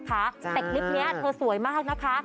แต่คลิปนี้เธอสวยมากนะคะ